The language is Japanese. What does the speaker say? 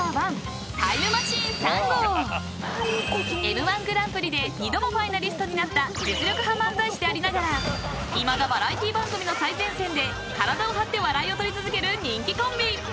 ［Ｍ−１グランプリで二度もファイナリストになった実力派漫才師でありながらいまだバラエティー番組の最前線で体を張って笑いを取り続ける人気コンビ］